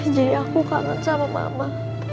jadi aku kangen sama mama